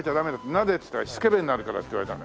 なぜっつったらスケベになるからって言われたの。